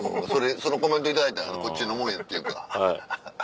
そのコメント頂いたらこっちのもんやっていうか。